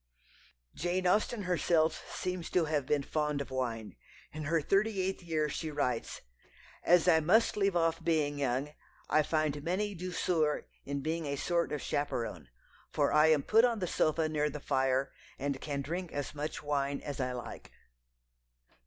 Jane Austen herself seems to have been fond of wine. In her thirty eighth year she writes: "As I must leave off being young, I find many douceurs in being a sort of chaperon, for I am put on the sofa near the fire, and can drink as much wine as I like."